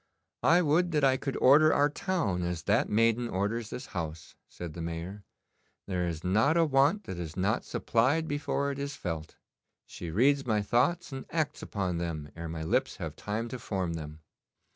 'I would that I could order our town as that maiden orders this house,' said the Mayor. 'There is not a want that is not supplied before it is felt. She reads my thoughts and acts upon them ere my lips have time to form them.